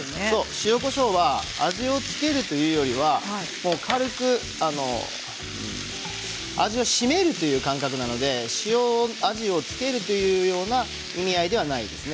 塩、こしょうは味を付けるというよりは軽く味を締めるという感覚なので塩味を付けるというような意味合いではないですね。